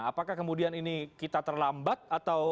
apakah kemudian ini kita terlambat atau